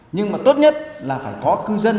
nhưng mà tốt nhất là phải có cư dân